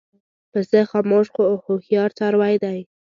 پسه خاموش خو هوښیار څاروی دی.